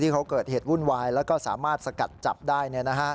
เขาเกิดเหตุวุ่นวายแล้วก็สามารถสกัดจับได้